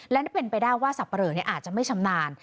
และนั่นเป็นไปด้านว่าสับปะเร๋อเนี่ยอาจจะไม่ชำนาญ